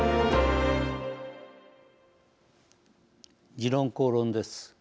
「時論公論」です。